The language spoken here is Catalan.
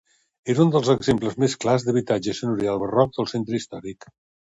És un dels exemples més clars d'habitatge senyorial barroc del centre històric.